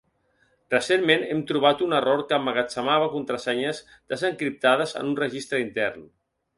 Recentment hem trobat un error que emmagatzemava contrasenyes des-encriptades en un registre intern.